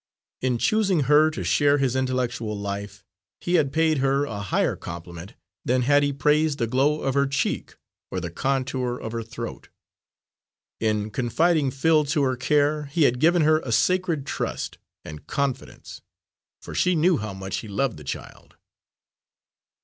In choosing her to share his intellectual life he had paid her a higher compliment than had he praised the glow of her cheek or the contour of her throat. In confiding Phil to her care he had given her a sacred trust and confidence, for she knew how much he loved the child.